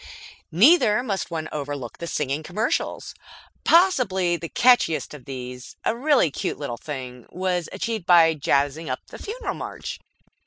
Neither must one overlook the singing commercials. Possibly the catchiest of these, a really cute little thing, was achieved by jazzing up the Funeral March.